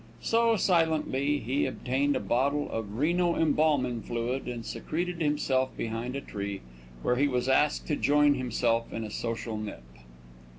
So, silently, he obtained a bottle of Reno embalming fluid and secreted himself behind a tree, where he was asked to join himself in a social nip.